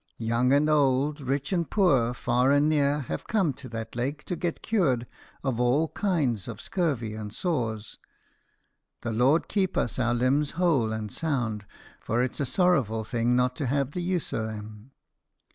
Young and ould, rich and poor, far and near, have come to that lake to get cured of all kinds of scurvy and sores. The Lord keep us our limbs whole and sound, for it's a sorrowful thing not to have the use o' them.